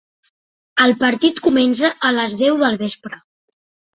El partit comença a les deu del vespre.